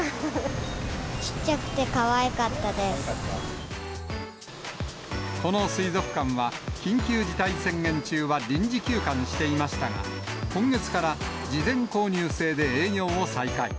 ちっちゃくてかわいかったでこの水族館は緊急事態宣言中は臨時休館していましたが、今月から事前購入制で営業を再開。